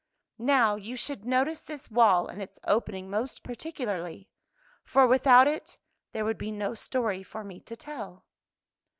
Now, you should notice this wall and its opening most particularly, for without it there would be no story for me to tell.